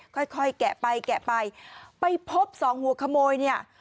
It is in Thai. ค่อยค่อยแกะไปแกะไปไปพบสองหัวขโมยเนี่ย